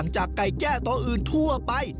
จากไก่แจ้ตัวอื่นทั่วไป